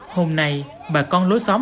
hôm nay bà con lối xóm